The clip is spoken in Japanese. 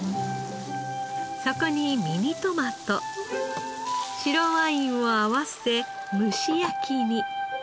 そこにミニトマト白ワインを合わせ蒸し焼きに。